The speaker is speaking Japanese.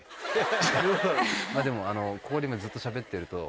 ここで今ずっとしゃべってると。